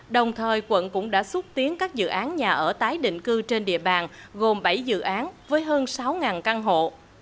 đồng thời quận cũng đã xúc tiến các dự án nhà ở tái định cư trên địa bàn gồm bảy dự án với hơn sáu căn hộ